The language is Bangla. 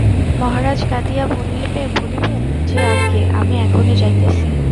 মহারাজ কাঁদিয়া বলিবেন–যে আজ্ঞে, আমি এখনি যাইতেছি।